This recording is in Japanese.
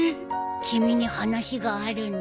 君に話があるんだ。